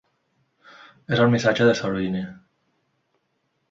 És el missatge de Salvini